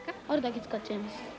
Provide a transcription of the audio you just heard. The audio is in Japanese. あるだけ使っちゃいます